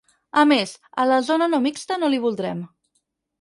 A més, a la zona no mixta no l'hi voldrem!